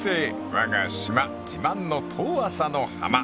［わが島自慢の遠浅の浜］